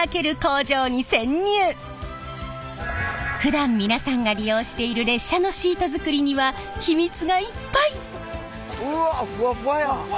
ふだん皆さんが利用している列車のシート作りにはヒミツがいっぱい！